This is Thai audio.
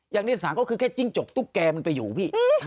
อย่างที่สามก็คือแค่จิ้งจกตุ๊กแกมันไปอยู่พี่